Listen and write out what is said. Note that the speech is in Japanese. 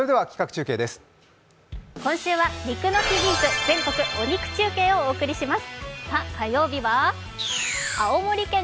今週はお肉シリーズ、全国お肉中継をお送りします。